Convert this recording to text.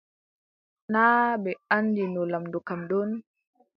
Naa ɓe anndino lamɗo kam ɗon.